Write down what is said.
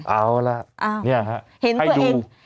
เอาล่ะเนี่ยครับให้ดู